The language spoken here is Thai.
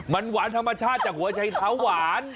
มันหวานธรรมชาติจากหัวชัยเท้าหวาน